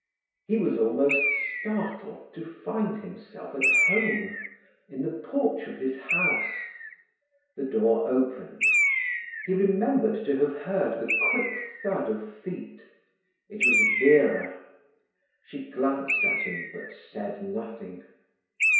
He was almost startled to find himself at home, in the porch of his house. The door opened. He remembered to have heard the quick thud of feet. It was Vera. She glanced at him, but said nothing.